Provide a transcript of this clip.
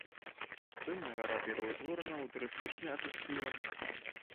Сёння гара пераўтворана ў турыстычны атракцыён.